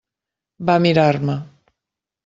Va mirar-me.